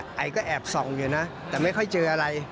ไอก็แอบส่องอยู่นะแต่ไม่ค่อยเจออะไร